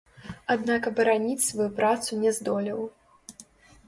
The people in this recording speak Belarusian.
Аднак абараніць сваю працу не здолеў.